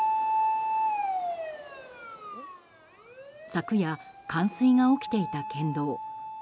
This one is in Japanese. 昨夜、冠水が起きていた県道。